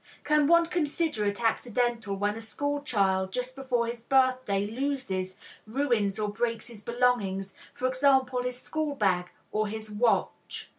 Can one consider it accidental when a school child just before his birthday loses, ruins or breaks his belongings, for example his school bag or his watch?